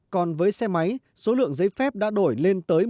còn với xe máy số lượng giấy phép đã đổi lên tới một mươi hai triệu